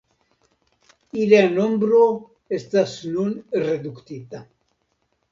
Ilia nombro estas nun reduktita.